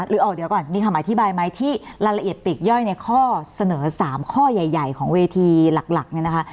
หรือออกเดี๋ยวก่อนมีคำอธิบายไหมที่รายละเอียดปีกย่อยในข้อเสนอ๓ข้อใหญ่ของเวทีหลักเนี่ยนะคะ